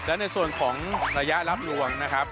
และในส่วนของระยะรับลวงนะครับ